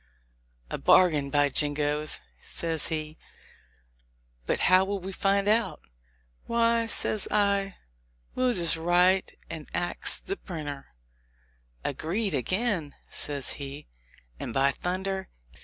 "A bargain, by jingoes!" says he; "but how will we find out?" THE LIFE OF LINCOLN. 239 "Why," says I, "we'll just write and ax the prin ter." "Agreed again!" says he; "and by thunder!